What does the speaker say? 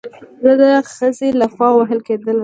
زه د خځې له خوا وهل کېدلم